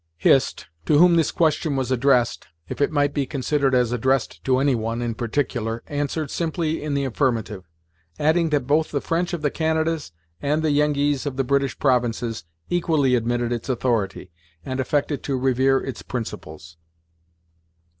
Hist, to whom this question was addressed, if it might be considered as addressed to any one, in particular, answered simply in the affirmative; adding that both the French of the Canadas, and the Yengeese of the British provinces equally admitted its authority, and affected to revere its principles.